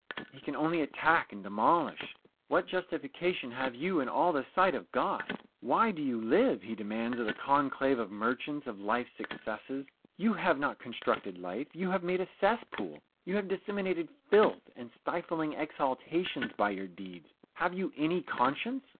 He can only attack and demolish. "What justification have you all in the sight of God? Why do you live?" he demands of the conclave of merchants, of life's successes. "You have not constructed life you have made a cesspool! You have disseminated filth and stifling exhalations by your deeds. Have you any conscience?